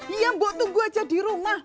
iya mbok tunggu aja di rumah